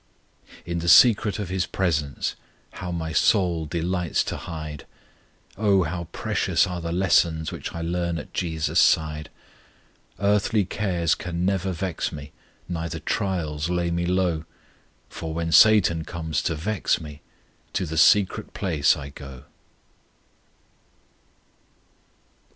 In the secret of His presence How my soul delights to hide! Oh, how precious are the lessons Which I learn at JESUS' side: Earthly cares can never vex me, Neither trials lay me low; For when Satan comes to vex me, To the secret place I go!